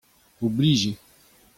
Oblij eo.